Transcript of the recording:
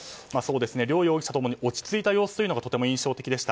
両容疑者ともに落ち着いた様子というのがとても印象的でした。